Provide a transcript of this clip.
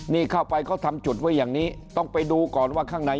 นี่เข้าไปเขาทำจุดไว้อย่างนี้ต้องไปดูก่อนว่าข้างใน